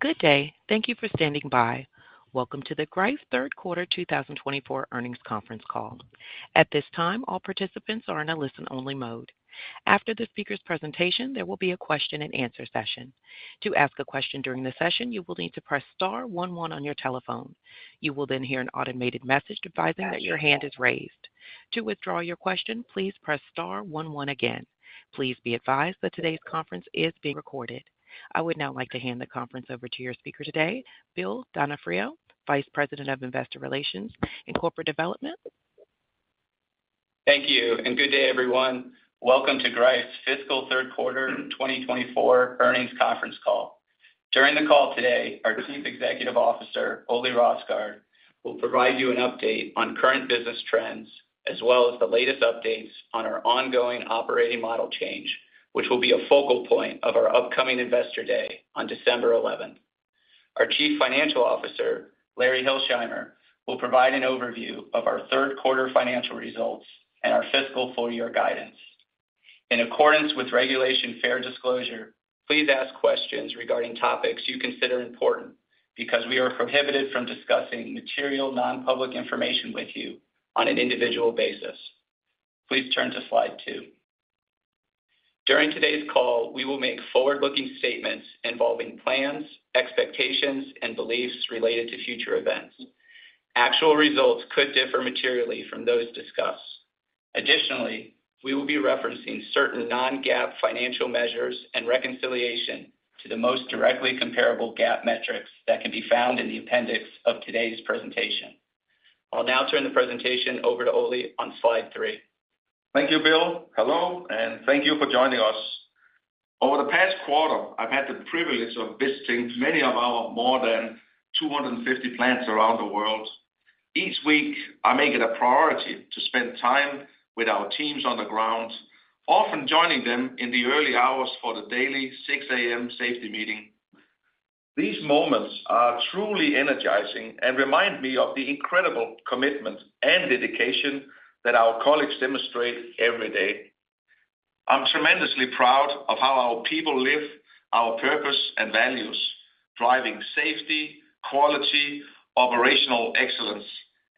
Good day. Thank you for standing by. Welcome to the Greif Third Quarter 2024 Earnings Conference Call. At this time, all participants are in a listen-only mode. After the speaker's presentation, there will be a Q&A session. To ask a question during the session, you will need to press star one one on your telephone. You will then hear an automated message advising that your hand is raised. To withdraw your question, please press star one one again. Please be advised that today's conference is being recorded. I would now like to hand the conference over to your speaker today, Bill D’Onofrio, Vice President of Investor Relations and Corporate Development. Thank you, and good day, everyone. Welcome to Greif's Fiscal Third Quarter 2024 Earnings Conference Call. During the call today, our Chief Executive Officer, Ole Rosgaard, will provide you an update on current business trends as well as the latest updates on our ongoing operating model change, which will be a focal point of our upcoming Investor Day on December 11. Our Chief Financial Officer, Larry Hilsheimer, will provide an overview of our third quarter financial results and our fiscal full year guidance. In accordance with Regulation Fair Disclosure, please ask questions regarding topics you consider important, because we are prohibited from discussing material, non-public information with you on an individual basis. Please turn to slide two. During today's call, we will make forward-looking statements involving plans, expectations, and beliefs related to future events. Actual results could differ materially from those discussed. Additionally, we will be referencing certain non-GAAP financial measures and reconciliation to the most directly comparable GAAP metrics that can be found in the appendix of today's presentation. I'll now turn the presentation over to Ole on slide three. Thank you, Bill. Hello, and thank you for joining us. Over the past quarter, I've had the privilege of visiting many of our more than 250 plants around the world. Each week, I make it a priority to spend time with our teams on the ground, often joining them in the early hours for the daily 6:00 A.M. safety meeting. These moments are truly energizing and remind me of the incredible commitment and dedication that our colleagues demonstrate every day. I'm tremendously proud of how our people live, our purpose and values, driving safety, quality, operational excellence,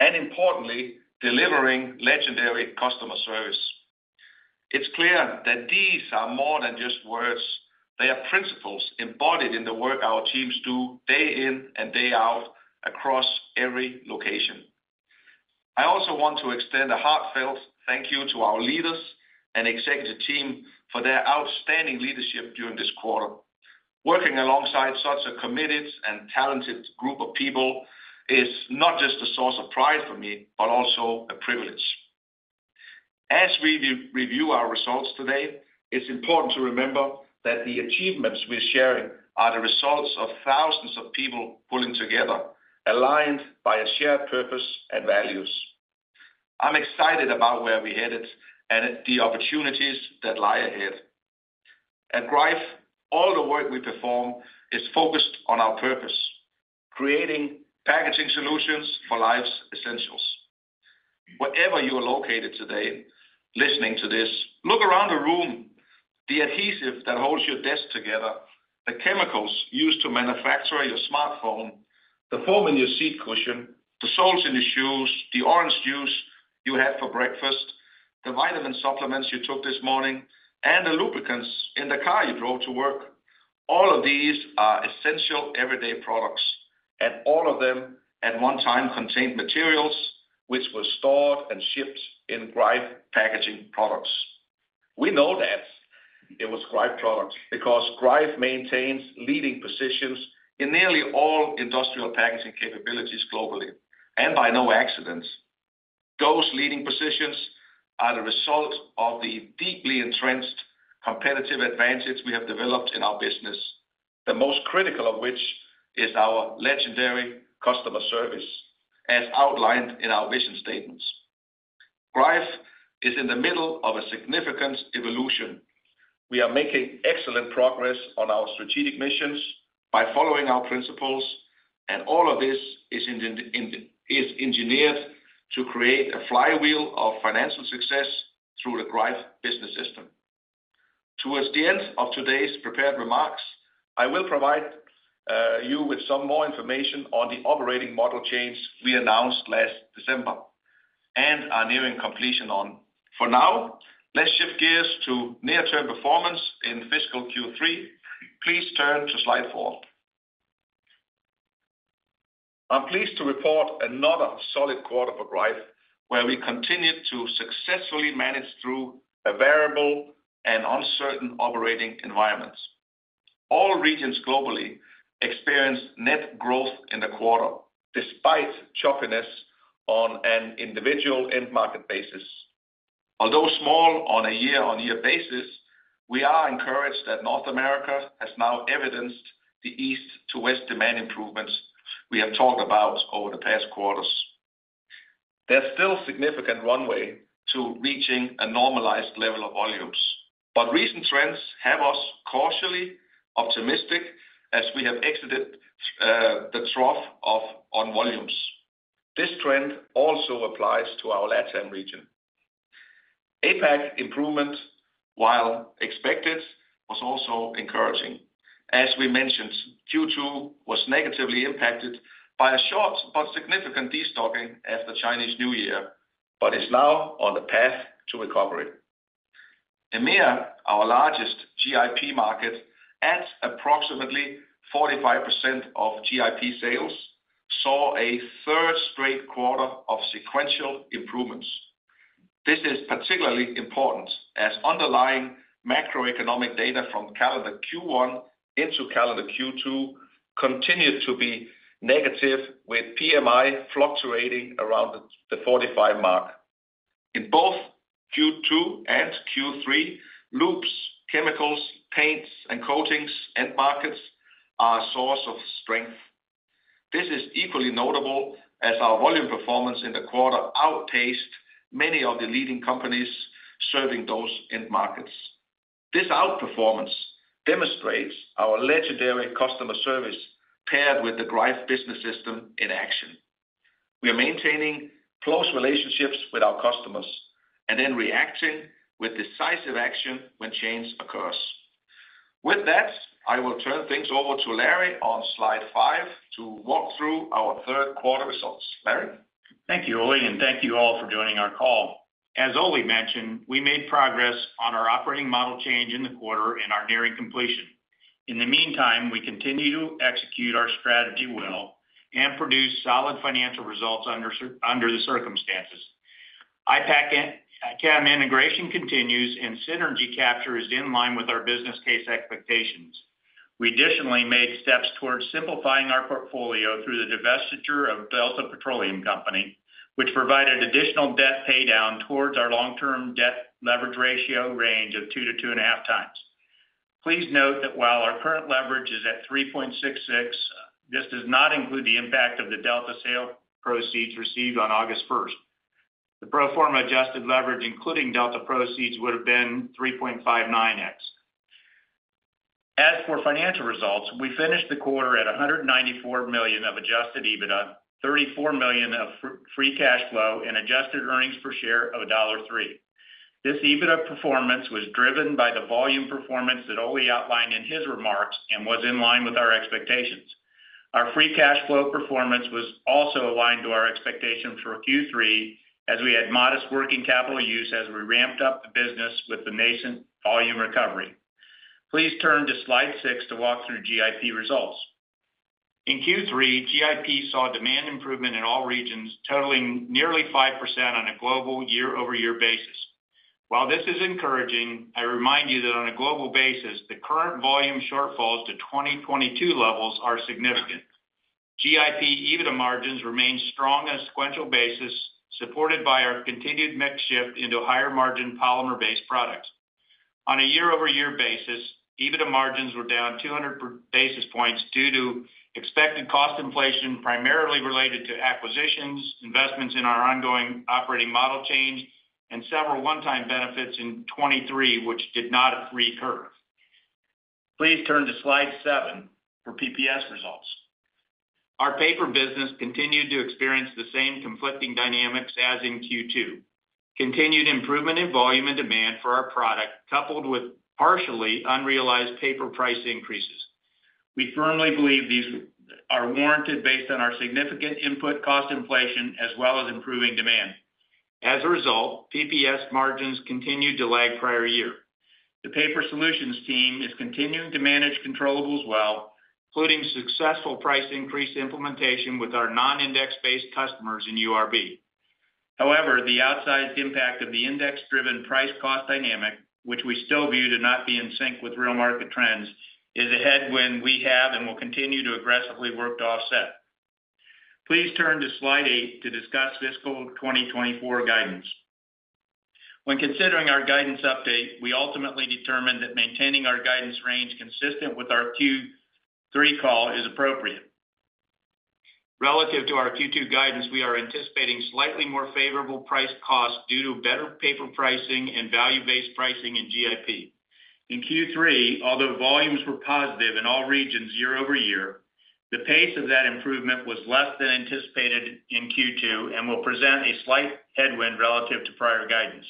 and importantly, delivering legendary customer service. It's clear that these are more than just words. They are principles embodied in the work our teams do day in and day out across every location. I also want to extend a heartfelt thank you to our leaders and executive team for their outstanding leadership during this quarter. Working alongside such a committed and talented group of people is not just a source of pride for me, but also a privilege. As we review our results today, it's important to remember that the achievements we're sharing are the results of thousands of people pulling together, aligned by a shared purpose and values. I'm excited about where we're headed and the opportunities that lie ahead. At Greif, all the work we perform is focused on our purpose: creating packaging solutions for life's essentials. Wherever you are located today, listening to this, look around the room, the adhesive that holds your desk together, the chemicals used to manufacture your smartphone, the foam in your seat cushion, the soles in your shoes, the orange juice you had for breakfast, the vitamin supplements you took this morning, and the lubricants in the car you drove to work. All of these are essential everyday products, and all of them at one time contained materials which were stored and shipped in Greif packaging products. We know that it was Greif products because Greif maintains leading positions in nearly all industrial packaging capabilities globally, and by no accident. Those leading positions are the result of the deeply entrenched competitive advantage we have developed in our business, the most critical of which is our legendary customer service, as outlined in our vision statements. Greif is in the middle of a significant evolution. We are making excellent progress on our strategic missions by following our principles, and all of this is engineered to create a flywheel of financial success through the Greif Business System. Towards the end of today's prepared remarks, I will provide you with some more information on the operating model change we announced last December and are nearing completion on. For now, let's shift gears to near-term performance in fiscal Q3. Please turn to slide four. I'm pleased to report another solid quarter for Greif, where we continued to successfully manage through a variable and uncertain operating environment. All regions globally experienced net growth in the quarter, despite choppiness on an individual end market basis. Although small on a year-on-year basis, we are encouraged that North America has now evidenced the east to west demand improvements we have talked about over the past quarters. There's still significant runway to reaching a normalized level of volumes, but recent trends have us cautiously optimistic as we have exited the trough of own volumes. This trend also applies to our LatAm region. APAC improvement, while expected, was also encouraging. As we mentioned, Q2 was negatively impacted by a short but significant destocking at the Chinese New Year, but is now on the path to recovery. EMEA, our largest GIP market, at approximately 45% of GIP sales, saw a 3rd straight quarter of sequential improvements. This is particularly important as underlying macroeconomic data from calendar Q1 into calendar Q2 continued to be negative, with PMI fluctuating around the 45 mark. In both Q2 and Q3, lubes, chemicals, paints, and coatings end markets are a source of strength. This is equally notable as our volume performance in the quarter outpaced many of the leading companies serving those end markets. This outperformance demonstrates our legendary customer service, paired with the Greif Business System in action. We are maintaining close relationships with our customers and then reacting with decisive action when change occurs. With that, I will turn things over to Larry on slide five to walk through our third quarter results. Larry? Thank you, Ole, and thank you all for joining our call. As Ole mentioned, we made progress on our operating model change in the quarter and are nearing completion. In the meantime, we continue to execute our strategy well and produce solid financial results under the circumstances. Ipackchem integration continues, and synergy capture is in line with our business case expectations. We additionally made steps towards simplifying our portfolio through the divestiture of Delta Petroleum Company, which provided additional debt paydown towards our long-term debt leverage ratio range of 2x-2.5x. Please note that while our current leverage is at 3.66, this does not include the impact of the Delta sale proceeds received on August first. The pro forma adjusted leverage, including Delta proceeds, would have been 3.95x. As for financial results, we finished the quarter at $194 million of adjusted EBITDA, $34 million of free cash flow, and adjusted earnings per share of $1.03. This EBITDA performance was driven by the volume performance that Ole outlined in his remarks and was in line with our expectations. Our free cash flow performance was also aligned to our expectation for Q3, as we had modest working capital use as we ramped up the business with the nascent volume recovery. Please turn to slide 6 to walk through GIP results. In Q3, GIP saw demand improvement in all regions, totaling nearly 5% on a global year-over-year basis. While this is encouraging, I remind you that on a global basis, the current volume shortfalls to 2022 levels are significant. GIP EBITDA margins remain strong on a sequential basis, supported by our continued mix shift into higher-margin polymer-based products. On a year-over-year basis, EBITDA margins were down 200 basis points due to expected cost inflation, primarily related to acquisitions, investments in our ongoing operating model change, and several one-time benefits in 2023, which did not recur. Please turn to slide seven for PPS results. Our paper business continued to experience the same conflicting dynamics as in Q2. Continued improvement in volume and demand for our product, coupled with partially unrealized paper price increases. We firmly believe these are warranted based on our significant input cost inflation, as well as improving demand. As a result, PPS margins continued to lag prior year. The Paper Solutions team is continuing to manage controllables well, including successful price increase implementation with our non-index-based customers in URB. However, the outsized impact of the index-driven price cost dynamic, which we still view to not be in sync with real market trends, is a headwind we have and will continue to aggressively work to offset. Please turn to slide eight to discuss fiscal 2024 guidance. When considering our guidance update, we ultimately determined that maintaining our guidance range consistent with our Q3 call is appropriate. Relative to our Q2 guidance, we are anticipating slightly more favorable price costs due to better paper pricing and value-based pricing in GIP. In Q3, although volumes were positive in all regions year over year, the pace of that improvement was less than anticipated in Q2 and will present a slight headwind relative to prior guidance.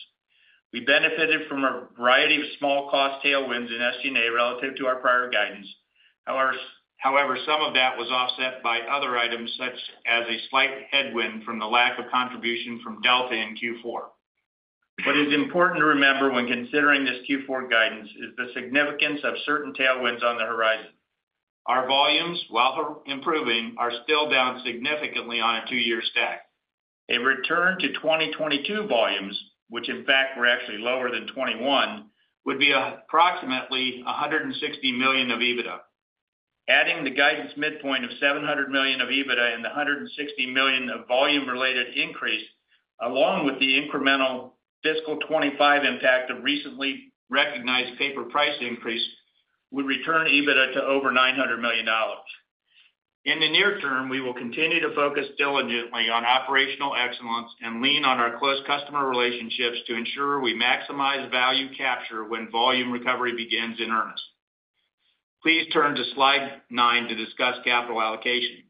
We benefited from a variety of small cost tailwinds in SG&A relative to our prior guidance. However, some of that was offset by other items, such as a slight headwind from the lack of contribution from Delta in Q4. What is important to remember when considering this Q4 guidance is the significance of certain tailwinds on the horizon. Our volumes, while improving, are still down significantly on a two-year stack. A return to 2022 volumes, which in fact, were actually lower than 2021, would be approximately $160 million of EBITDA. Adding the guidance midpoint of $700 million of EBITDA and the $160 million of volume-related increase, along with the incremental fiscal 2025 impact of recently recognized paper price increase, would return EBITDA to over $900 million. In the near term, we will continue to focus diligently on operational excellence and lean on our close customer relationships to ensure we maximize value capture when volume recovery begins in earnest. Please turn to slide nine to discuss capital allocation.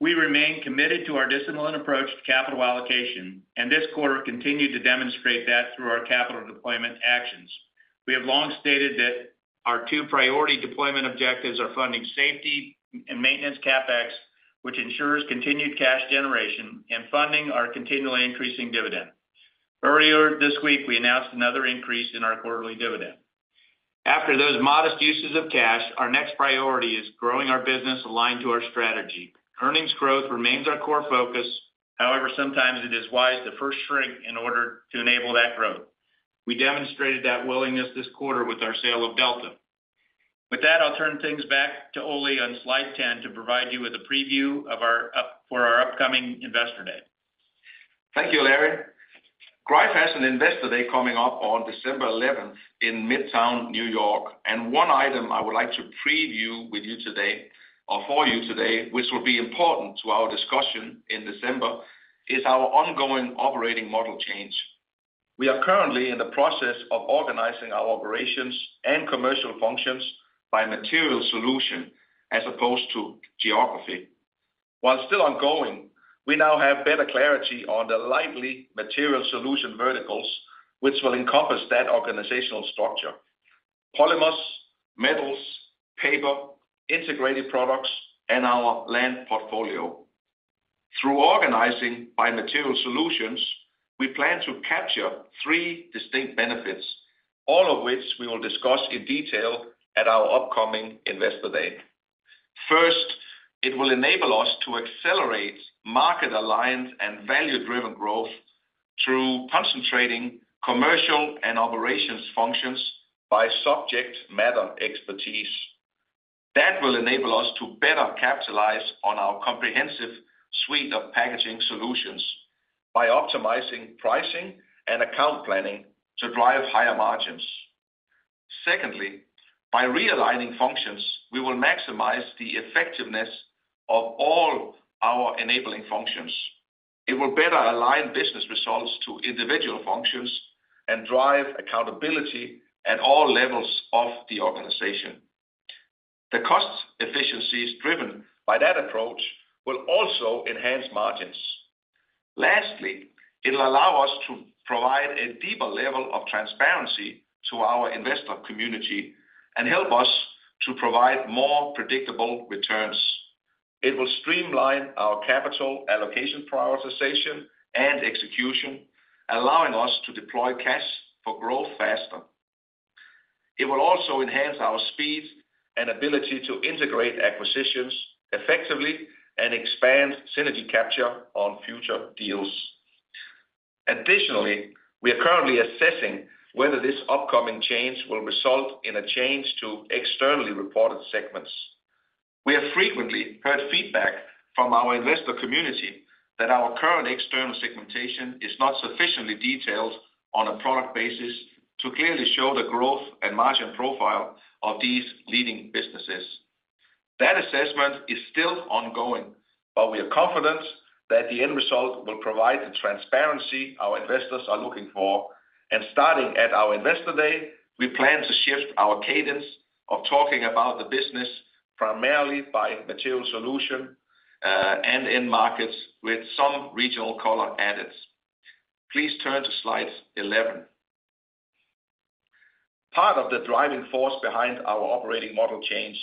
We remain committed to our disciplined approach to capital allocation, and this quarter continued to demonstrate that through our capital deployment actions. We have long stated that our two priority deployment objectives are funding safety and maintenance CapEx, which ensures continued cash generation and funding our continually increasing dividend. Earlier this week, we announced another increase in our quarterly dividend. After those modest uses of cash, our next priority is growing our business aligned to our strategy. Earnings growth remains our core focus. However, sometimes it is wise to first shrink in order to enable that growth. We demonstrated that willingness this quarter with our sale of Delta. With that, I'll turn things back to Ole on slide 10 to provide you with a preview for our upcoming Investor Day. Thank you, Larry. Greif has an Investor Day coming up on December 11, in Midtown, New York. One item I would like to preview with you today or for you today, which will be important to our discussion in December, is our ongoing operating model change. We are currently in the process of organizing our operations and commercial functions by Material Solution as opposed to geography. While still ongoing, we now have better clarity on the five Material Solution verticals, which will encompass that organizational structure: polymers, metals, paper, integrated products, and our land portfolio. Through organizing by Material Solutions, we plan to capture three distinct benefits, all of which we will discuss in detail at our upcoming Investor Day. First, it will enable us to accelerate market alliance and value-driven growth through concentrating commercial and operations functions by subject matter expertise. That will enable us to better capitalize on our comprehensive suite of packaging solutions by optimizing pricing and account planning to drive higher margins. Secondly, by realigning functions, we will maximize the effectiveness of all our enabling functions. It will better align business results to individual functions and drive accountability at all levels of the organization. The cost efficiencies driven by that approach will also enhance margins. Lastly, it'll allow us to provide a deeper level of transparency to our investor community and help us to provide more predictable returns. It will streamline our capital allocation, prioritization, and execution, allowing us to deploy cash for growth faster. It will also enhance our speed and ability to integrate acquisitions effectively and expand synergy capture on future deals. Additionally, we are currently assessing whether this upcoming change will result in a change to externally reported segments. We have frequently heard feedback from our investor community that our current external segmentation is not sufficiently detailed on a product basis to clearly show the growth and margin profile of these leading businesses. That assessment is still ongoing, but we are confident that the end result will provide the transparency our investors are looking for, and starting at our Investor Day, we plan to shift our cadence of talking about the business primarily by Material Solution, and end markets with some regional color added. Please turn to slide 11. Part of the driving force behind our operating model change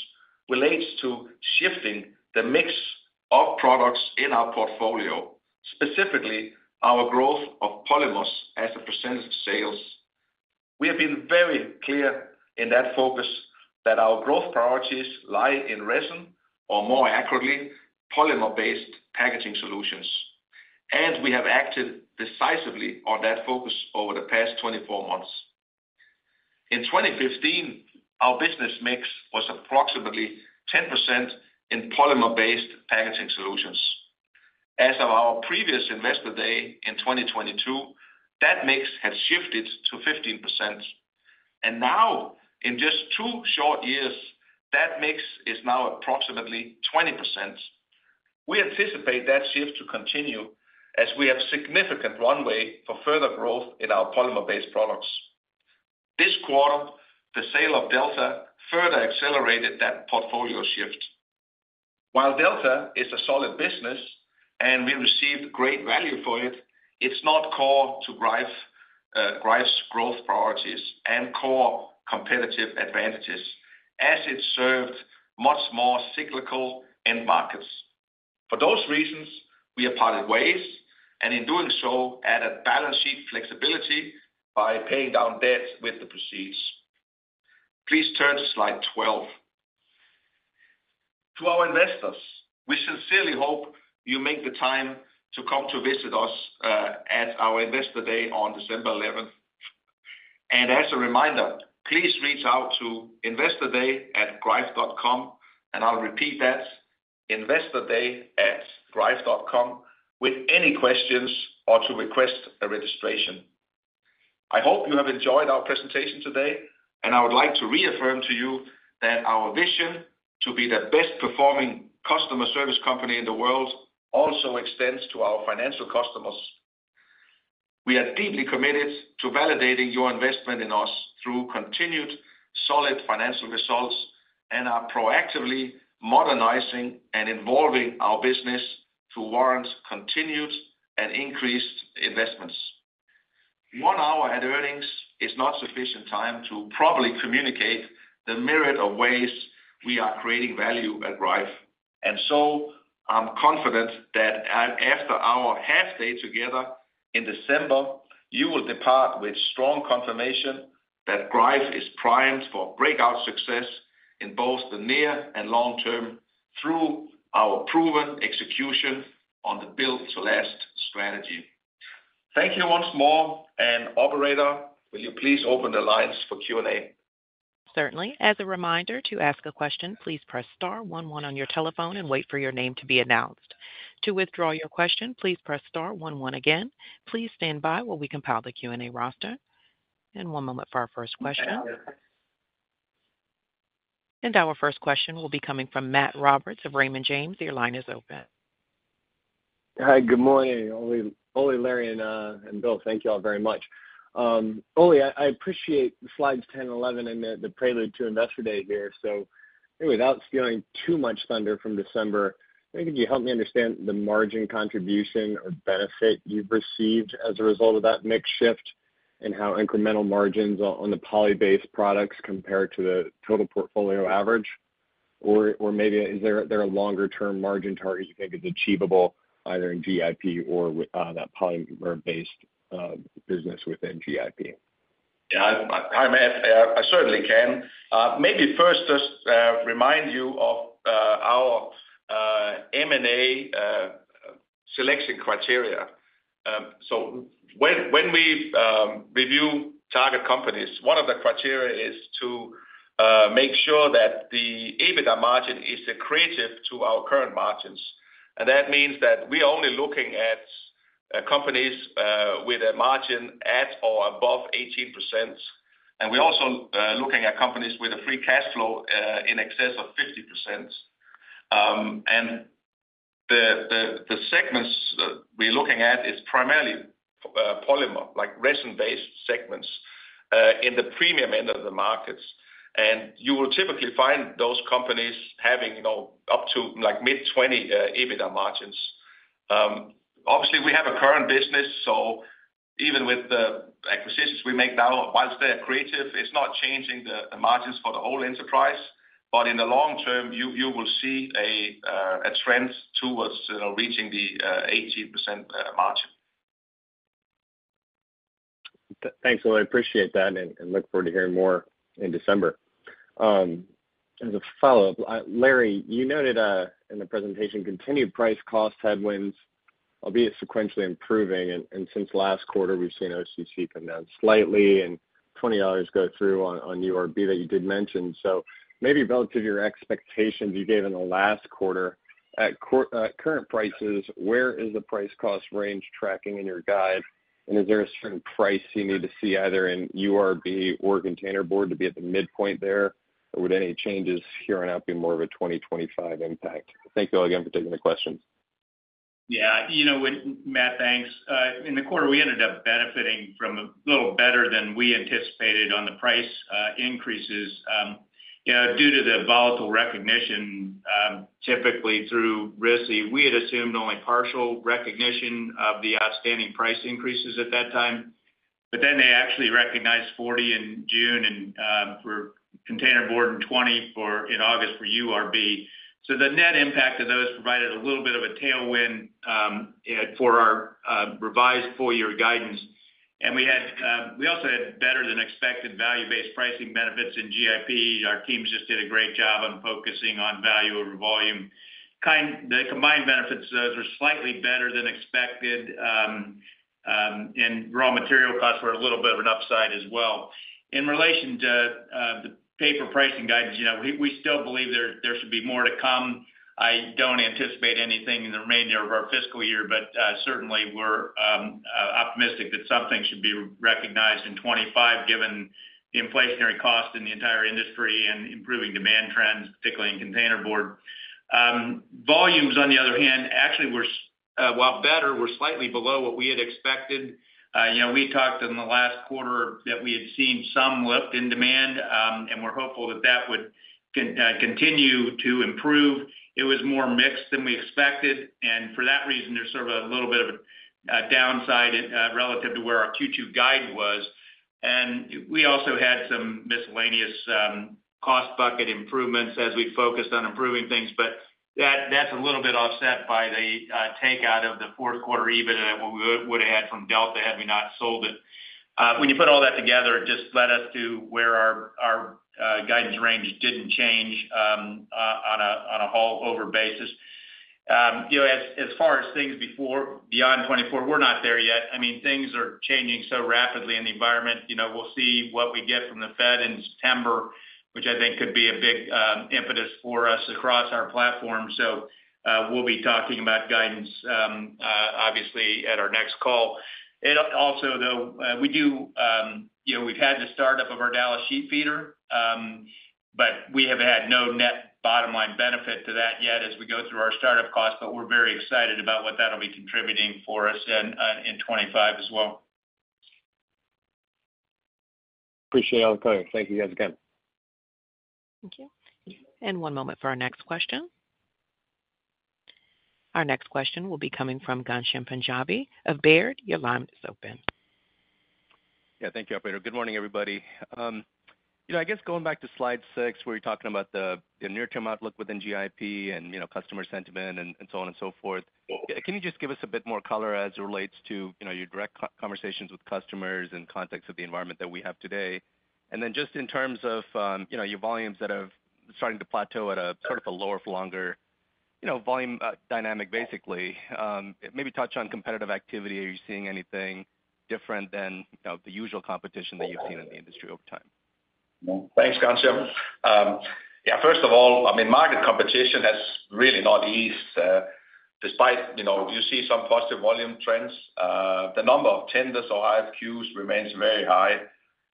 relates to shifting the mix of products in our portfolio, specifically our growth of polymers as a percentage of sales. We have been very clear in that focus that our growth priorities lie in resin, or more accurately, polymer-based packaging solutions, and we have acted decisively on that focus over the past 24 months. In 2015, our business mix was approximately 10% in polymer-based packaging solutions. As of our previous Investor Day in 2022, that mix had shifted to 15%, and now in just two short years, that mix is now approximately 20%. We anticipate that shift to continue as we have significant runway for further growth in our polymer-based products. This quarter, the sale of Delta further accelerated that portfolio shift. While Delta is a solid business and we received great value for it, it's not core to Greif, Greif's growth priorities and core competitive advantages, as it served much more cyclical end markets. For those reasons, we have parted ways and in doing so, added balance sheet flexibility by paying down debt with the proceeds. Please turn to slide 12. To our investors, we sincerely hope you make the time to come to visit us at our Investor Day on December 11. And as a reminder, please reach out to investorday@greif.com, and I'll repeat that, investorday@greif.com with any questions or to request a registration. I hope you have enjoyed our presentation today, and I would like to reaffirm to you that our vision to be the best performing customer service company in the world also extends to our financial customers.... We are deeply committed to validating your investment in us through continued solid financial results, and are proactively modernizing and involving our business to warrant continued and increased investments. One hour at earnings is not sufficient time to properly communicate the myriad of ways we are creating value at Greif. And so I'm confident that, after our half day together in December, you will depart with strong confirmation that Greif is primed for breakout success in both the near and long term, through our proven execution on the Build to Last strategy. Thank you once more, and operator, will you please open the lines for Q&A? Certainly. As a reminder, to ask a question, please press star one one on your telephone and wait for your name to be announced. To withdraw your question, please press star one one again. Please stand by while we compile the Q&A roster. And one moment for our first question. And our first question will be coming from Matt Roberts of Raymond James. Your line is open. Hi, good morning, Ole, Larry, and Bill. Thank you all very much. Ole, I appreciate the slides 10 and 11 and the prelude to Investor Day here. So anyway, without stealing too much thunder from December, maybe could you help me understand the margin contribution or benefit you've received as a result of that mix shift, and how incremental margins on the poly-based products compare to the total portfolio average? Or maybe is there a longer term margin target you think is achievable either in GIP or with that polymer-based business within GIP? Yeah, hi, Matt. I certainly can. Maybe first just remind you of our M&A selection criteria. So when we review target companies, one of the criteria is to make sure that the EBITDA margin is accretive to our current margins. And that means that we're only looking at companies with a margin at or above 18%. And we're also looking at companies with a free cash flow in excess of 50%. And the segments we're looking at is primarily polymer, like resin-based segments in the premium end of the markets. And you will typically find those companies having, you know, up to, like, mid-20 EBITDA margins. Obviously, we have a current business, so even with the acquisitions we make now, while they are accretive, it's not changing the margins for the whole enterprise. But in the long term, you will see a trend towards, you know, reaching the 18% margin. Thanks, Ole. I appreciate that and look forward to hearing more in December. As a follow-up, Larry, you noted in the presentation, continued price cost headwinds, albeit sequentially improving, and since last quarter, we've seen OCC come down slightly and $20 go through on URB that you did mention. So maybe relative to your expectations you gave in the last quarter, at current prices, where is the price cost range tracking in your guide? And is there a certain price you need to see either in URB or container board to be at the midpoint there, or would any changes here on out be more of a 2025 impact? Thank you all again for taking the questions. Yeah, you know what, Matt, thanks. In the quarter, we ended up benefiting from a little better than we anticipated on the price increases. You know, due to the volatile recognition, typically through RISI, we had assumed only partial recognition of the outstanding price increases at that time. But then they actually recognized 40 in June, and for containerboard and $20 for in August for URB. So the net impact of those provided a little bit of a tailwind for our revised full year guidance. We had, we also had better than expected value-based pricing benefits in GIP. Our teams just did a great job on focusing on value over volume. The combined benefits of those were slightly better than expected, and raw material costs were a little bit of an upside as well. In relation to the paper pricing guidance, you know, we still believe there should be more to come. I don't anticipate anything in the remainder of our fiscal year, but certainly we're optimistic that something should be recognized in 2025, given the inflationary cost in the entire industry and improving demand trends, particularly in containerboard. Volumes, on the other hand, actually were, while better, slightly below what we had expected. You know, we talked in the last quarter that we had seen some lift in demand, and we're hopeful that that would continue to improve. It was more mixed than we expected, and for that reason, there's sort of a little bit of a downside relative to where our Q2 guide was. And we also had some miscellaneous cost bucket improvements as we focused on improving things, but that's a little bit offset by the take out of the fourth quarter EBITDA that we would have had from Delta had we not sold it. When you put all that together, it just led us to where our guidance range didn't change on an overall basis. You know, as far as things before, beyond 2024, we're not there yet. I mean, things are changing so rapidly in the environment. You know, we'll see what we get from the Fed in September, which I think could be a big impetus for us across our platform. So, we'll be talking about guidance obviously at our next call. It'll also, though, we do, you know, we've had the startup of our Dallas Sheet Feeder, but we have had no net bottom-... we go through our startup costs, but we're very excited about what that'll be contributing for us in 2025 as well. Appreciate all the color. Thank you guys again. Thank you, and one moment for our next question. Our next question will be coming from Ghansham Panjabi of Baird. Your line is open. Yeah, thank you, operator. Good morning, everybody. You know, I guess going back to slide six, where you're talking about the near-term outlook within GIP and, you know, customer sentiment and so on and so forth. Can you just give us a bit more color as it relates to, you know, your direct conversations with customers in context of the environment that we have today? And then just in terms of, you know, your volumes that have started to plateau at a sort of a lower for longer, you know, volume dynamic, basically, maybe touch on competitive activity. Are you seeing anything different than, you know, the usual competition that you've seen in the industry over time? Thanks, Ghansham. Yeah, first of all, I mean, market competition has really not eased, despite, you know, you see some positive volume trends. The number of tenders or RFQs remains very high,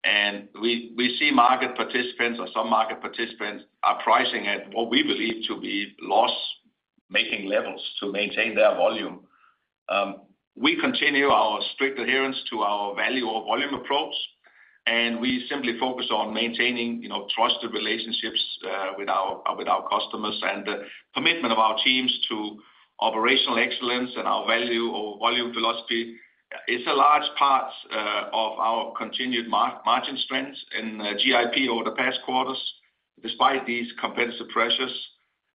and we see market participants or some market participants are pricing at what we believe to be loss-making levels to maintain their volume. We continue our strict adherence to our value over volume approach, and we simply focus on maintaining, you know, trusted relationships with our customers. The commitment of our teams to operational excellence and our value over volume philosophy is a large part of our continued margin strength in GIP over the past quarters, despite these competitive pressures.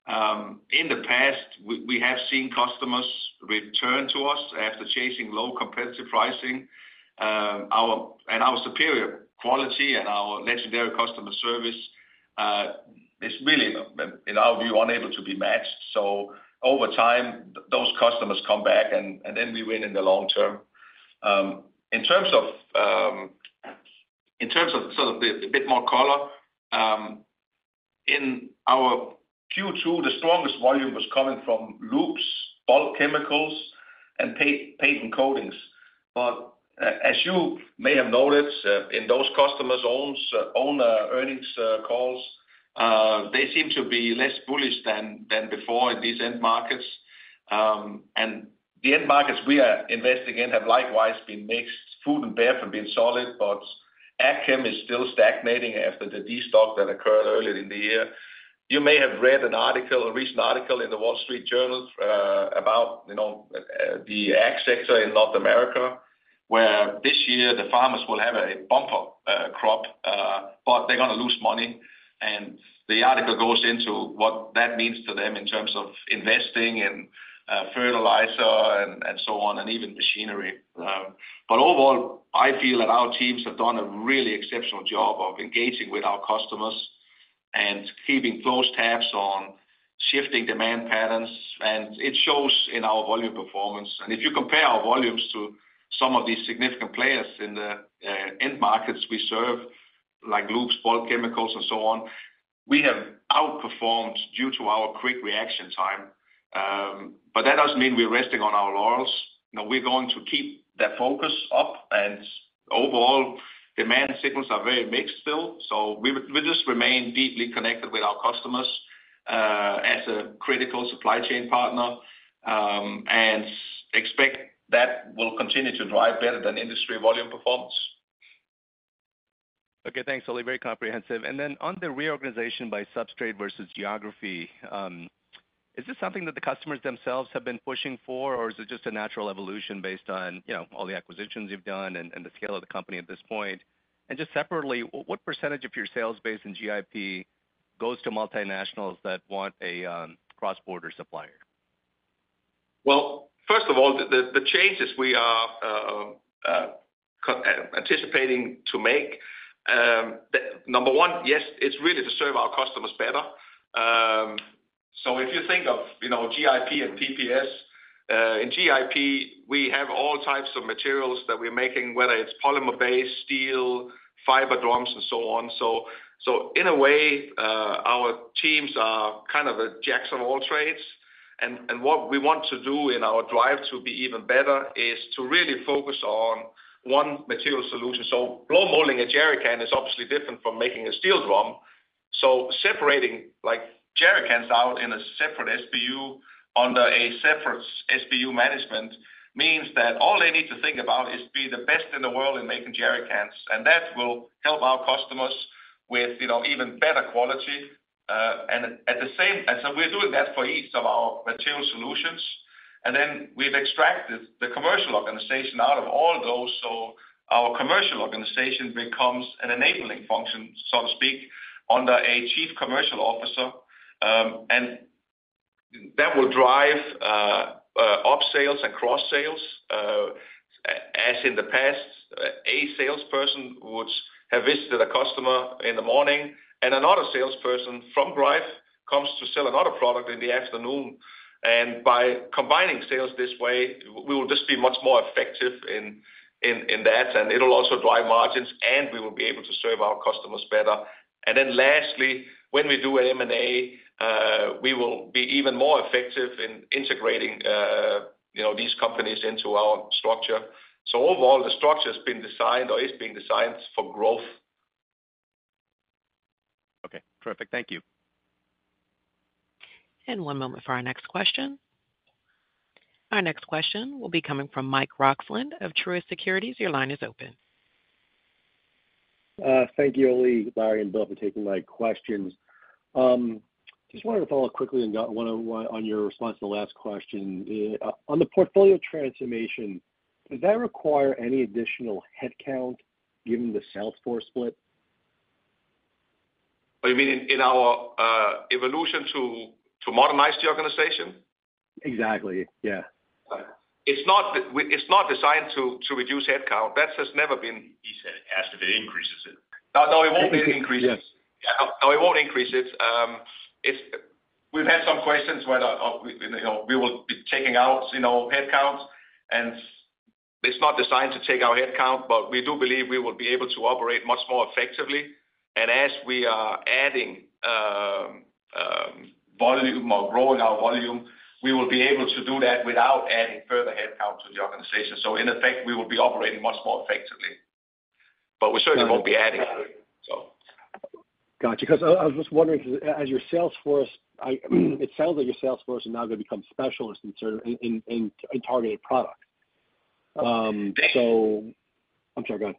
In the past, we have seen customers return to us after chasing low competitive pricing. Our... Our superior quality and our legendary customer service is really, in our view, unable to be matched. Over time, those customers come back, and then we win in the long term. In terms of a bit more color, in our Q2, the strongest volume was coming from lubes, bulk chemicals, and paint and coatings. As you may have noticed, in those customers' own earnings calls, they seem to be less bullish than before in these end markets. The end markets we are investing in have likewise been mixed. Food and bev have been solid, but Ag-Chem is still stagnating after the destock that occurred earlier in the year. You may have read an article, a recent article in the Wall Street Journal, about, you know, the ag sector in North America, where this year the farmers will have a bumper crop, but they're gonna lose money. The article goes into what that means to them in terms of investing in fertilizer and so on, and even machinery. But overall, I feel that our teams have done a really exceptional job of engaging with our customers and keeping close tabs on shifting demand patterns, and it shows in our volume performance. If you compare our volumes to some of these significant players in the end markets we serve, like lubes, bulk chemicals, and so on, we have outperformed due to our quick reaction time. But that doesn't mean we're resting on our laurels. No, we're going to keep the focus up, and overall, demand signals are very mixed still. So we will, we just remain deeply connected with our customers, as a critical supply chain partner, and expect that will continue to drive better than industry volume performance. Okay, thanks, Ole. Very comprehensive. And then on the reorganization by substrate versus geography, is this something that the customers themselves have been pushing for, or is it just a natural evolution based on, you know, all the acquisitions you've done and the scale of the company at this point? And just separately, what percentage of your sales base in GIP goes to multinationals that want a cross-border supplier? Well, first of all, the changes we are anticipating to make. Number one, yes, it's really to serve our customers better. So if you think of, you know, GIP and PPS, in GIP, we have all types of materials that we're making, whether it's polymer-based, steel, fiber drums, and so on. So in a way, our teams are kind of a jack of all trades. And what we want to do in our drive to be even better is to really focus on one material solution. So blow molding a jerrycan is obviously different from making a steel drum. So separating, like, jerrycans out in a separate SBU under a separate SBU management means that all they need to think about is be the best in the world in making jerrycans, and that will help our customers with, you know, even better quality. And so we're doing that for each of our material solutions. And then we've extracted the commercial organization out of all those, so our commercial organization becomes an enabling function, so to speak, under a Chief Commercial Officer. And that will drive up sales and cross sales. As in the past, a salesperson would have visited a customer in the morning, and another salesperson from Greif comes to sell another product in the afternoon. And by combining sales this way, we will just be much more effective in that, and it'll also drive margins, and we will be able to serve our customers better. And then lastly, when we do M&A, we will be even more effective in integrating, you know, these companies into our structure. So overall, the structure's been designed or is being designed for growth.... Okay, terrific. Thank you. And one moment for our next question. Our next question will be coming from Mike Roxland of Truist Securities. Your line is open. Thank you, Ole, Larry, and Bill, for taking my questions. Just wanted to follow up quickly on one, on your response to the last question. On the portfolio transformation, does that require any additional headcount, given the sales force split? Oh, you mean in our evolution to modernize the organization? Exactly. Yeah. It's not designed to reduce headcount. That has never been- He said, asked if it increases it. No, it won't be increased. Yes. No, it won't increase it. It's... We've had some questions whether, you know, we will be taking out, you know, headcounts, and it's not designed to take our headcount, but we do believe we will be able to operate much more effectively. And as we are adding, volume or growing our volume, we will be able to do that without adding further headcount to the organization. So in effect, we will be operating much more effectively, but we certainly won't be adding, so. Got you. 'Cause I was just wondering, as your sales force, it sounds like your sales force are now going to become specialists in certain, in targeted product. So... I'm sorry, go ahead.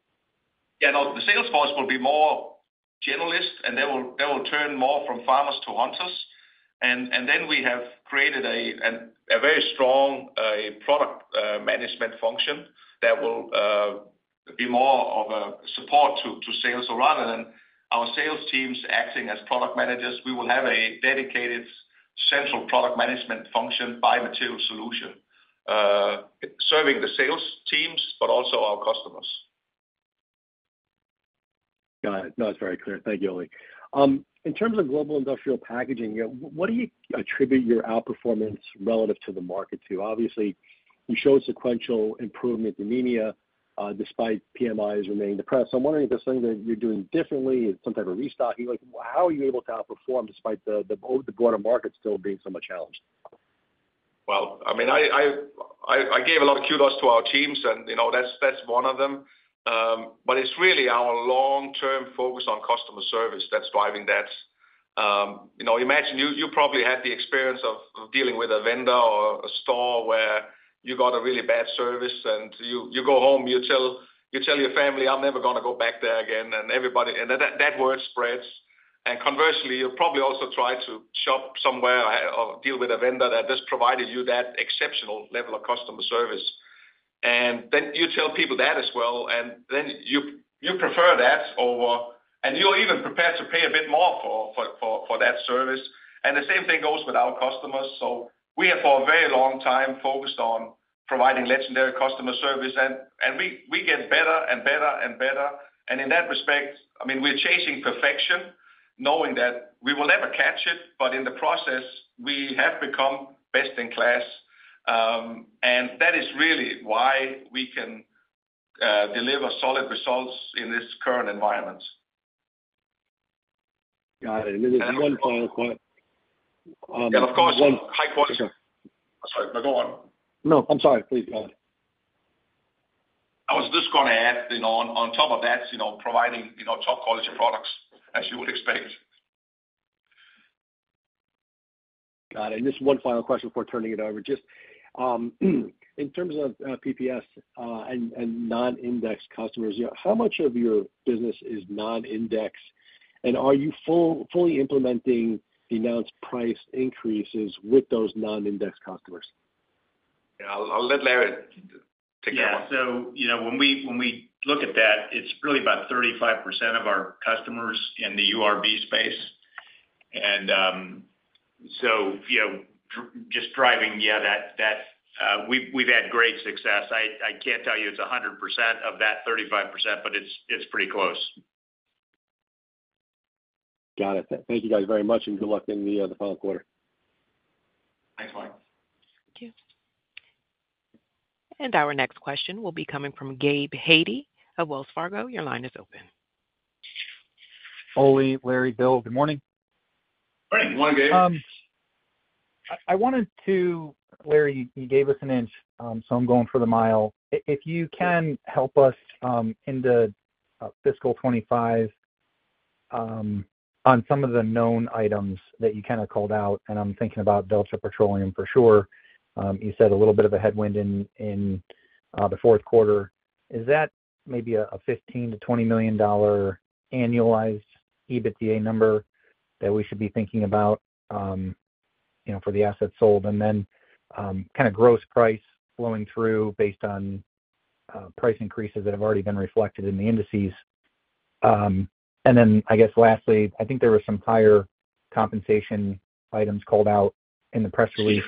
Yeah, no, the sales force will be more generalist, and they will turn more from farmers to hunters. And then we have created a very strong product management function that will be more of a support to sales. So rather than our sales teams acting as product managers, we will have a dedicated central product management function by material solution serving the sales teams, but also our customers. Got it. No, it's very clear. Thank you, Ole. In terms of Global Industrial Packaging, you know, what do you attribute your outperformance relative to the market to? Obviously, you show sequential improvement in EMEA, despite PMIs remaining depressed. So I'm wondering if there's something that you're doing differently, some type of restocking. Like, how are you able to outperform despite the broader market still being so much challenged? Well, I mean, I gave a lot of kudos to our teams, and, you know, that's one of them. But it's really our long-term focus on customer service that's driving that. You know, imagine, you probably had the experience of dealing with a vendor or a store where you got a really bad service and you go home, you tell your family, I'm never gonna go back there again, and everybody... And that word spreads. And conversely, you probably also try to shop somewhere or deal with a vendor that just provided you that exceptional level of customer service. And then you tell people that as well, and then you prefer that over... And you're even prepared to pay a bit more for that service. And the same thing goes with our customers. So we have, for a very long time, focused on providing legendary customer service, and we get better and better and better. And in that respect, I mean, we're chasing perfection, knowing that we will never catch it, but in the process, we have become best in class. And that is really why we can deliver solid results in this current environment. Got it. And just one final point. Yeah, of course. High quality. I'm sorry, no, go on. No, I'm sorry. Please, go ahead. I was just gonna add, you know, on top of that, you know, providing, you know, top quality products, as you would expect. Got it. And just one final question before turning it over. Just, in terms of, PPS, and non-index customers, how much of your business is non-index? And are you fully implementing the announced price increases with those non-index customers? Yeah, I'll let Larry take that one. Yeah, so you know, when we look at that, it's really about 35% of our customers in the URB space. And, so, you know, just driving, yeah, that we've had great success. I can't tell you it's 100% of that 35%, but it's pretty close. Got it. Thank you, guys, very much, and good luck in the final quarter. Thanks, Mike. Thank you. And our next question will be coming from Gabe Hajde of Wells Fargo. Your line is open. Ole, Larry, Bill, good morning. Morning. Good morning, Gabe. I wanted to... Larry, you gave us an inch, so I'm going for the mile. If you can help us in the fiscal 2025 on some of the known items that you kind of called out, and I'm thinking about Delta Petroleum for sure. You said a little bit of a headwind in the fourth quarter. Is that maybe a $15 million-$20 million annualized EBITDA number that we should be thinking about, you know, for the assets sold? And then, kind of gross price flowing through based on price increases that have already been reflected in the indices. And then, I guess lastly, I think there were some higher compensation items called out in the press release.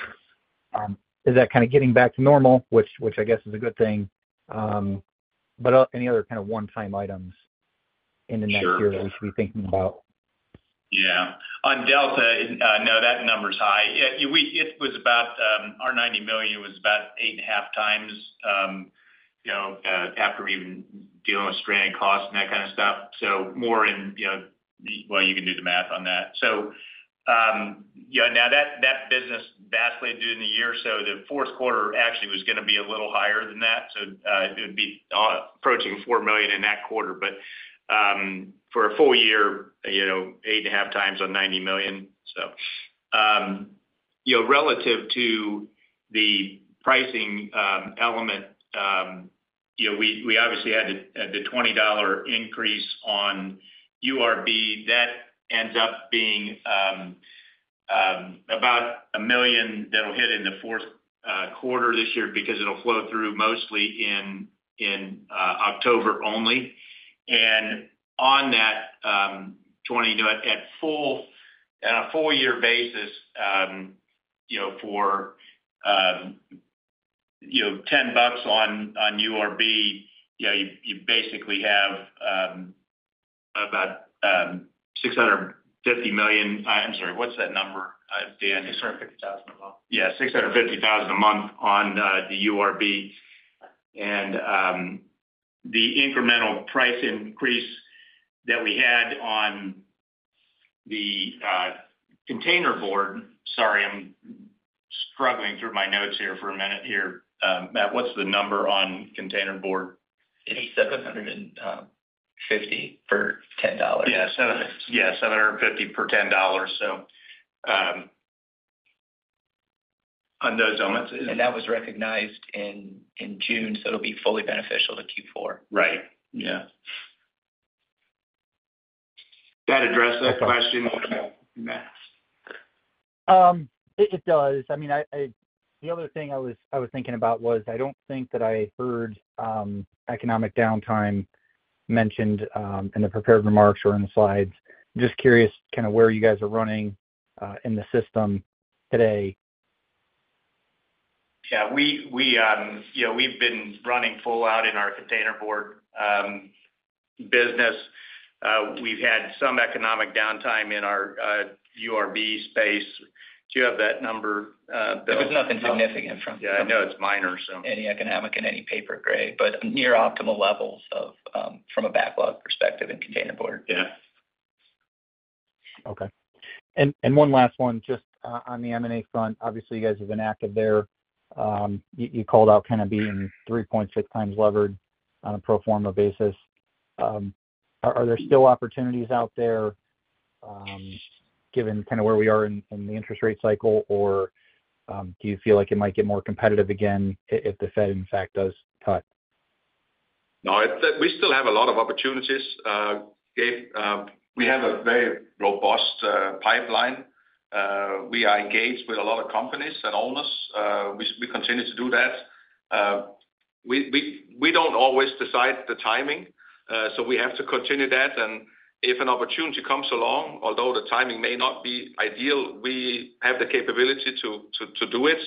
Is that kind of getting back to normal, which I guess is a good thing, but any other kind of one-time items in the next year- Sure. that we should be thinking about? Yeah. On Delta, no, that number's high. Yeah, it was about, our $90 million was about 8.5x, you know, after even dealing with stranded costs and that kind of stuff. So more in, you know, well, you can do the math on that. So, yeah, that business actually during the year, so the fourth quarter actually was gonna be a little higher than that. So, it would be approaching $4 million in that quarter. But, for a full year, you know, 8.5x on $90 million, so. You know, relative to the pricing element, you know, we obviously had the $20 increase on URB. That ends up being about $1 million that'll hit in the fourth quarter this year because it'll flow through mostly in October only, and on that $20, you know, on a full year basis, you know, for, you know, $10 on URB, you know, you basically have about $650 million... I'm sorry, what's that number, Dan? $650,000 a month. Yeah, &650,000 a month on the URB, and the incremental price increase that we had on the containerboard. Sorry, I'm struggling through my notes here for a minute here. Matt, what's the number on containerboard? It's 750 for $10. Yeah, 750 per $10. So, on those elements- That was recognized in June, so it'll be fully beneficial to Q4. Right. Yeah. Does that address that question, Matt? It does. I mean... The other thing I was thinking about was, I don't think that I heard economic downtime mentioned in the prepared remarks or in the slides. Just curious kind of where you guys are running in the system today. Yeah, you know, we've been running full out in our containerboard business. We've had some economic downtime in our URB space. Do you have that number, Bill? There was nothing significant from- Yeah, I know it's minor, so. Any economic and any paper grade, but near optimal levels of, from a backlog perspective in containerboard. Yeah. Okay. One last one, just on the M&A front, obviously, you guys have been active there. You called out kind of being 3.6 times levered on a pro forma basis. Are there still opportunities out there, given kind of where we are in the interest rate cycle? Or do you feel like it might get more competitive again if the Fed, in fact, does cut? No, we still have a lot of opportunities, Gabe. We have a very robust pipeline. We are engaged with a lot of companies and owners. We don't always decide the timing, so we have to continue that. And if an opportunity comes along, although the timing may not be ideal, we have the capability to do it.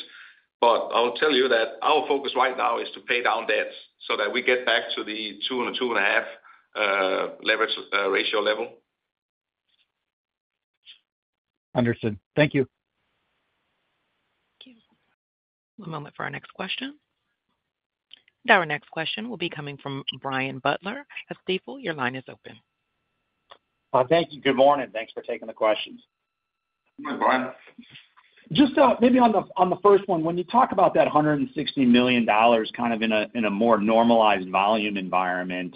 But I'll tell you that our focus right now is to pay down debts so that we get back to the 2 and 2.5 leverage ratio level. Understood. Thank you. Thank you. One moment for our next question. Now our next question will be coming from Brian Butler of Stifel. Your line is open. Thank you. Good morning. Thanks for taking the questions. Good morning, Brian. Just, maybe on the, on the first one, when you talk about that $160 million, kind of in a, in a more normalized volume environment,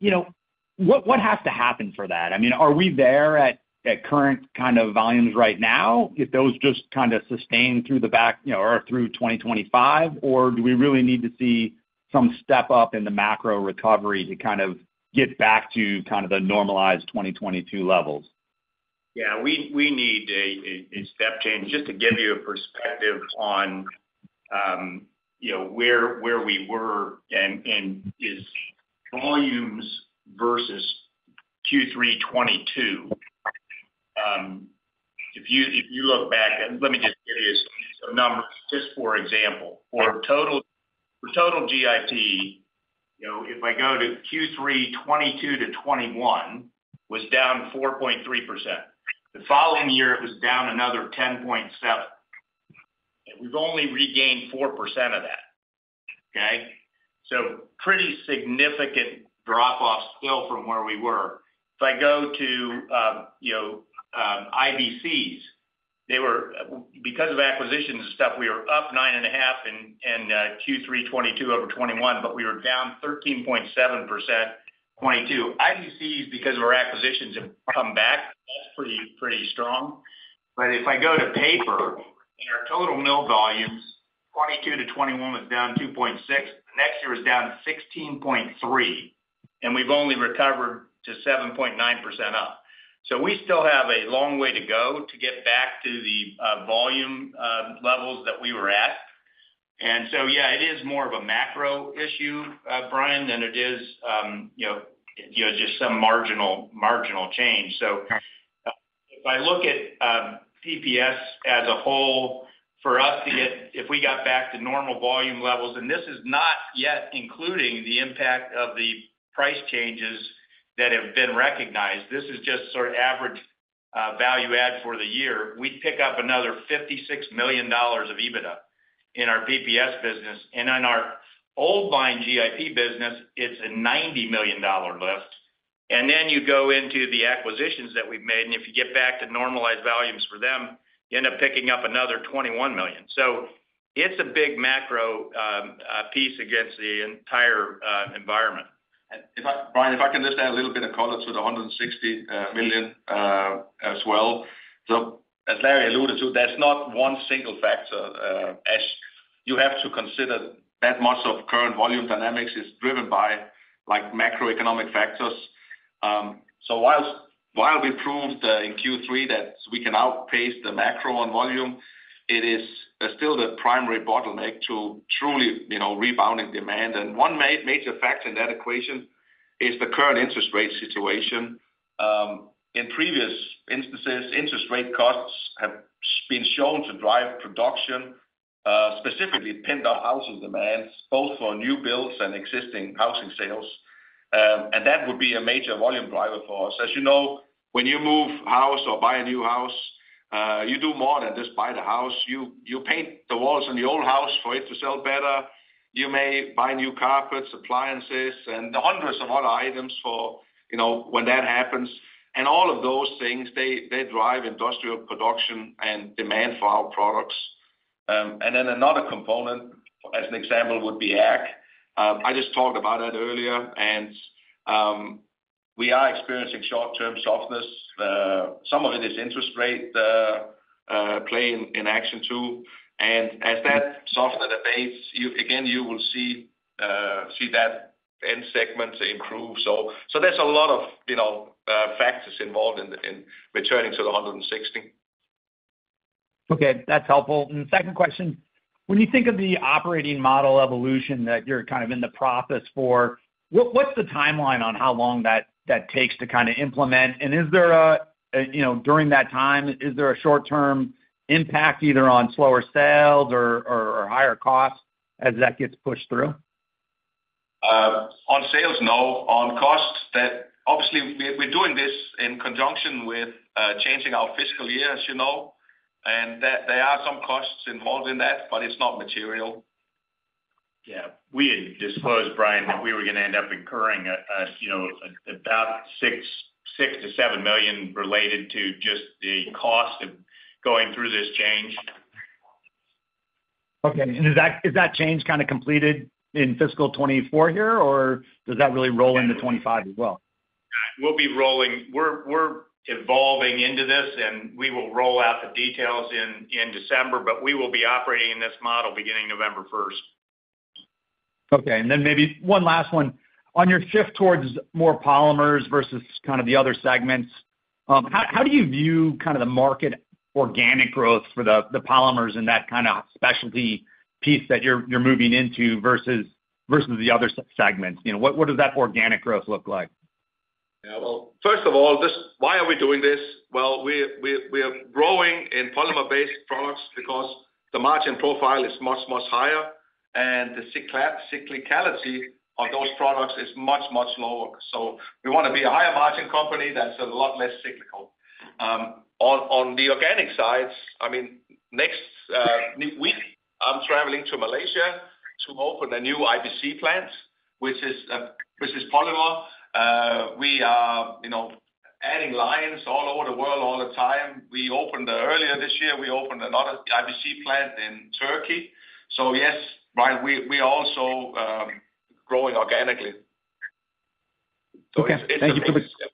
you know, what, what has to happen for that? I mean, are we there at, at current kind of volumes right now, if those just kind of sustain through the back, you know, or through 2025? Or do we really need to see some step up in the macro recovery to kind of get back to kind of the normalized 2022 levels? Yeah, we need a step change. Just to give you a perspective on, you know, where we were and its volumes versus Q3 2022, if you look back, let me just give you some numbers, just for example. For total GIP, you know, if I go to Q3 2022 to 2021, was down 4.3%. The following year, it was down another 10.7%. And we've only regained 4% of that. Okay? So pretty significant drop off still from where we were. If I go to, you know, IBCs, they were, because of acquisitions and stuff, we were up 9.5% in Q3 2022 over 2021, but we were down 13.7%, 2022. IBCs, because of our acquisitions, have come back. That's pretty strong. But if I go to paper, in our total mill volumes, 2022 to 2021 was down 2.6%. The next year was down 16.3%, and we've only recovered to 7.9% up. So we still have a long way to go to get back to the volume levels that we were at. And so, yeah, it is more of a macro issue, Brian, than it is, you know, just some marginal change. So if I look at PPS as a whole, for us to get if we got back to normal volume levels, and this is not yet including the impact of the price changes that have been recognized, this is just sort of average value add for the year, we'd pick up another $56 million of EBITDA in our PPS business. And in our old line GIP business, it's a $90 million lift. And then you go into the acquisitions that we've made, and if you get back to normalized volumes for them, you end up picking up another $21 million. So it's a big macro piece against the entire environment. If I, Brian, if I can just add a little bit of color to the $160 million as well. As Larry alluded to, that's not one single factor. As you have to consider that much of current volume dynamics is driven by, like, macroeconomic factors. While we proved in Q3 that we can outpace the macro on volume, it is still the primary bottleneck to truly, you know, rebounding demand. One major factor in that equation is the current interest rate situation. In previous instances, interest rate costs have been shown to drive production, specifically pent-up housing demand, both for new builds and existing housing sales. That would be a major volume driver for us. As you know, when you move house or buy a new house, you do more than just buy the house. You paint the walls in the old house for it to sell better. You may buy new carpets, appliances, and hundreds of other items for, you know, when that happens. And all of those things, they drive industrial production and demand for our products. And then another component, as an example, would be ag. I just talked about it earlier, and we are experiencing short-term softness. Some of it is interest rate playing in action, too. And as that soften the base, again, you will see that end segment improve. So there's a lot of, you know, factors involved in returning to the $160 million. Okay, that's helpful. And second question: When you think of the operating model evolution that you're kind of in the process for, what's the timeline on how long that takes to kind of implement? And is there a you know, during that time, is there a short-term impact, either on slower sales or higher costs as that gets pushed through? On sales, no. On costs, that obviously, we're doing this in conjunction with changing our fiscal year, as you know, and that there are some costs involved in that, but it's not material. Yeah, we had disclosed, Brian, that we were gonna end up incurring, you know, about $6 million-$7 million related to just the cost of going through this change. Okay. And is that, is that change kind of completed in fiscal 2024 here, or does that really roll into 2025 as well? We'll be rolling... We're evolving into this, and we will roll out the details in December, but we will be operating in this model beginning November 1. Okay, and then maybe one last one. On your shift towards more polymers versus kind of the other segments, how do you view kind of the market organic growth for the polymers and that kind of specialty piece that you're moving into versus the other segments? You know, what does that organic growth look like? Yeah, well, first of all, just why are we doing this? Well, we are growing in polymer-based products because the margin profile is much, much higher, and the cyclicality of those products is much, much lower. So we want to be a higher margin company that's a lot less cyclical. On the organic side, I mean, next week, I'm traveling to Malaysia to open a new IBC plant, which is polymer. We are, you know, adding lines all over the world all the time. We opened earlier this year another IBC plant in Turkey. So yes, Brian, we also growing organically. So it's- Okay. Thank you for- Yeah.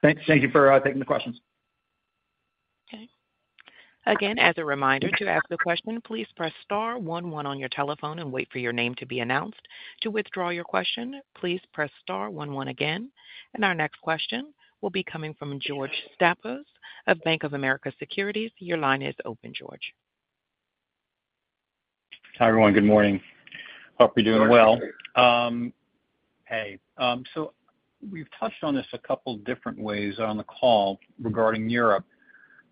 Thanks. Thank you for taking the questions. Okay. Again, as a reminder, to ask a question, please press star one one on your telephone and wait for your name to be announced. To withdraw your question, please press star one one again, and our next question will be coming from George Staphos of Bank of America Securities. Your line is open, George. Hi, everyone. Good morning. Hope you're doing well. Good morning. Hey, so we've touched on this a couple different ways on the call regarding Europe,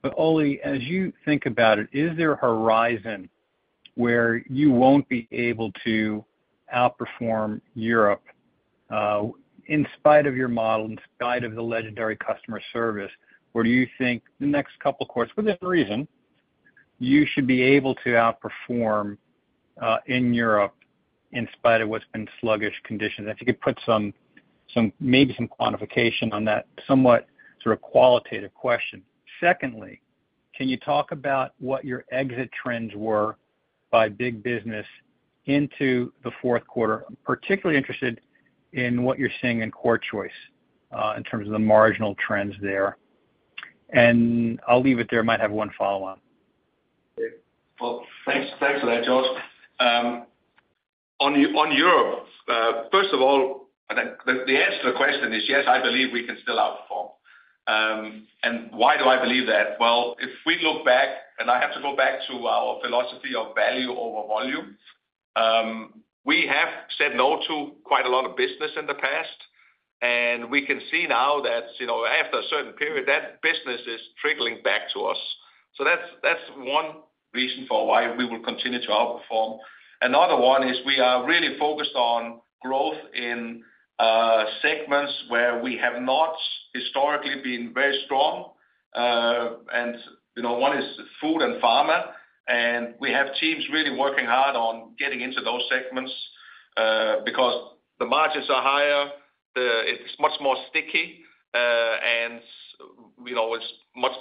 but Ole, as you think about it, is there a horizon where you won't be able to outperform Europe in spite of your model, in spite of the legendary customer service? Or do you think the next couple of quarters, within reason, you should be able to outperform in Europe in spite of what's been sluggish conditions? If you could put some quantification on that somewhat sort of qualitative question. Secondly, can you talk about what your exit trends were by big business into the fourth quarter? I'm particularly interested in what you're seeing in CorrChoice in terms of the marginal trends there. And I'll leave it there. Might have one follow-on. Thanks for that, George. On Europe, first of all, I think the answer to the question is yes, I believe we can still outperform. And why do I believe that? If we look back, and I have to go back to our philosophy of value over volume, we have said no to quite a lot of business in the past, and we can see now that, you know, after a certain period, that business is trickling back to us. So that's one reason for why we will continue to outperform. Another one is we are really focused on growth in segments where we have not historically been very strong. And, you know, one is food and pharma, and we have teams really working hard on getting into those segments, because the margins are higher. It's much more sticky, and, you know, it's much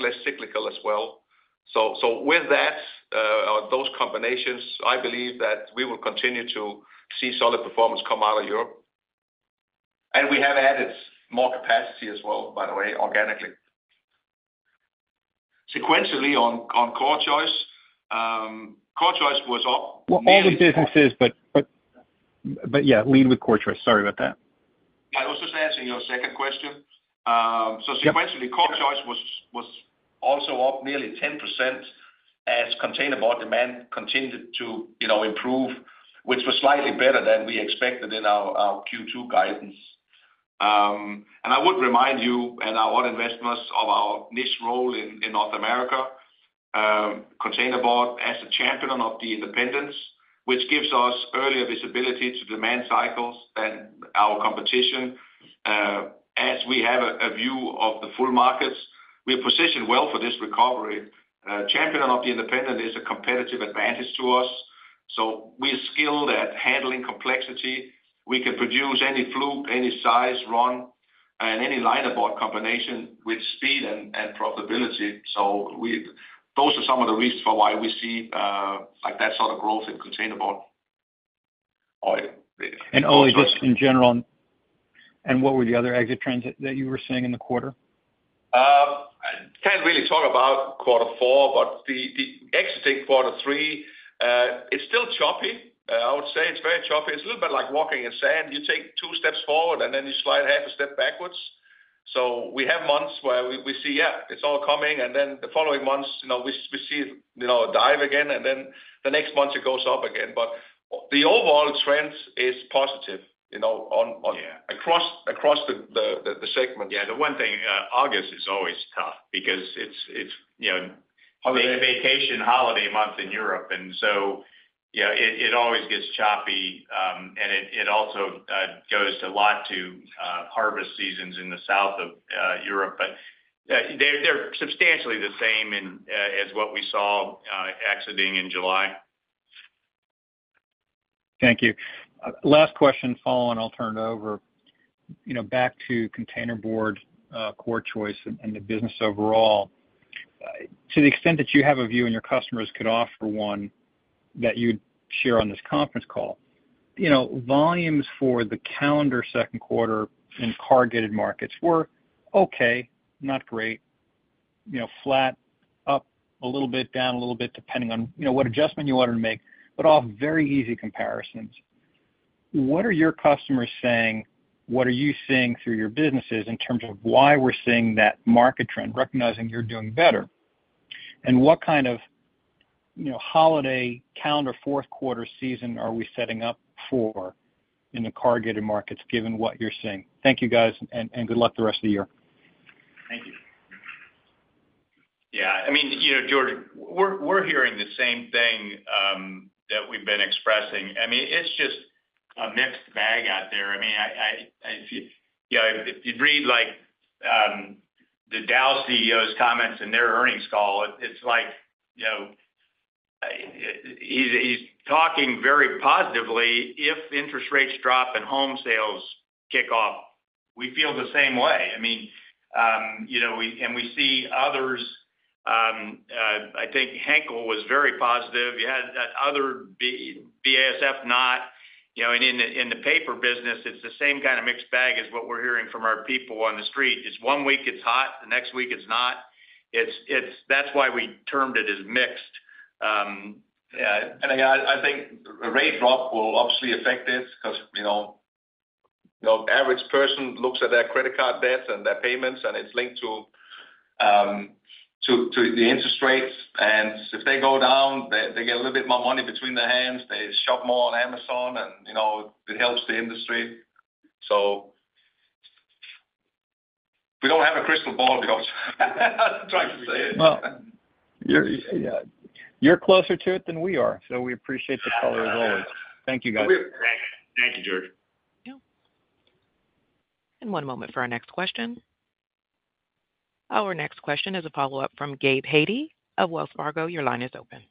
less cyclical as well. So with that, those combinations, I believe that we will continue to see solid performance come out of Europe. And we have added more capacity as well, by the way, organically. Sequentially, on CorrChoice, CorrChoice was up- All the businesses, but yeah, lead with CorrChoice. Sorry about that. I was just answering your second question. So sequentially- Yep. CorrChoice was also up nearly 10% as containerboard demand continued to, you know, improve, which was slightly better than we expected in our Q2 guidance, and I would remind you and our investors of our niche role in North America containerboard as a champion of the independents, which gives us earlier visibility to demand cycles than our competition. As we have a view of the full markets, we are positioned well for this recovery. Champion of the independent is a competitive advantage to us, so we are skilled at handling complexity. We can produce any flute, any size run, and any linerboard combination with speed and profitability. So those are some of the reasons for why we see, like, that sort of growth in containerboard. Ole, just in general, what were the other exit trends that you were seeing in the quarter? I can't really talk about quarter four, but the exiting quarter three, it's still choppy. I would say it's very choppy. It's a little bit like walking in sand. You take two steps forward, and then you slide half a step backwards. So we have months where we see, yeah, it's all coming, and then the following months, you know, we see, you know, a dive again, and then the next month it goes up again. But the overall trend is positive, you know, on, on- Yeah. Across the segment. Yeah, the one thing, August is always tough because it's, you know- Holiday. A vacation holiday month in Europe, and so, yeah, it always gets choppy, and it also goes a lot to harvest seasons in the south of Europe. But they're substantially the same in as what we saw exiting in July. Thank you. Last question following, I'll turn it over. You know, back to containerboard, CorrChoice and, and the business overall. To the extent that you have a view and your customers could offer one that you'd share on this conference call, you know, volumes for the calendar second quarter in corrugated markets were okay, not great, you know, flat, up a little bit, down a little bit, depending on, you know, what adjustment you wanted to make, but all very easy comparisons. What are your customers saying? What are you seeing through your businesses in terms of why we're seeing that market trend, recognizing you're doing better? And what kind of, you know, holiday calendar fourth quarter season are we setting up for in the corrugated markets, given what you're seeing? Thank you, guys, and, and good luck the rest of the year. Thank you. Yeah, I mean, you know, George, we're hearing the same thing that we've been expressing. I mean, it's just a mixed bag out there. I mean, if you, you know, if you read, like, the Dow CEO's comments in their earnings call, it's like, you know, he's talking very positively if interest rates drop and home sales kick off. We feel the same way. I mean, you know, we and we see others. I think Henkel was very positive. You had that other, BASF, not, you know, and in the paper business, it's the same kind of mixed bag as what we're hearing from our people on the street. It's one week, it's hot, the next week, it's not. It's. That's why we termed it as mixed. Yeah, and I think a rate drop will obviously affect this because, you know, the average person looks at their credit card debts and their payments, and it's linked to the interest rates, and if they go down, they get a little bit more money between their hands. They shop more on Amazon, and, you know, it helps the industry. So we don't have a crystal ball, because I'm trying to say it. You're closer to it than we are, so we appreciate the color as always. Thank you, guys. Thank you, Jordan. Yep. And one moment for our next question. Our next question is a follow-up from Gabe Hajde of Wells Fargo. Your line is open.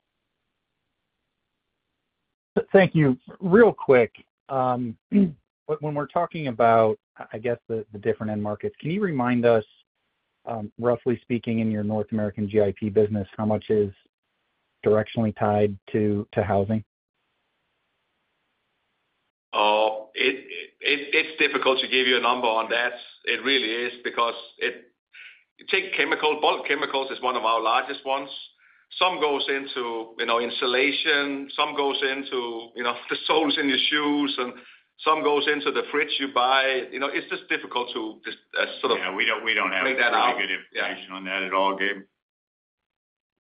Thank you. Real quick, when we're talking about, I guess the different end markets, can you remind us, roughly speaking, in your North American GIP business, how much is directionally tied to housing? It's difficult to give you a number on that. It really is, because... Take chemicals, bulk chemicals is one of our largest ones. Some goes into, you know, insulation, some goes into, you know, the soles in your shoes, and some goes into the fridge you buy. You know, it's just difficult to just sort of- Yeah, we don't have- Figure that out.... any good information on that at all, Gabe?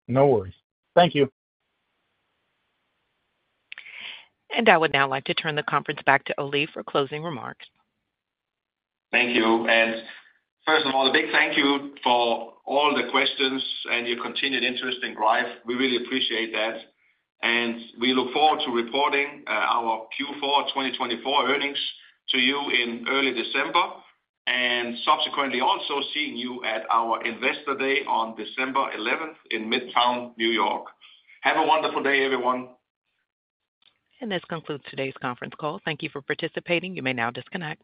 No worries. Thank you. I would now like to turn the conference back to Ole for closing remarks. Thank you, and first of all, a big thank you for all the questions and your continued interest in Greif. We really appreciate that, and we look forward to reporting our Q4 2024 earnings to you in early December, and subsequently, also seeing you at our Investor Day on December 11 in Midtown, New York. Have a wonderful day, everyone. This concludes today's conference call. Thank you for participating. You may now disconnect.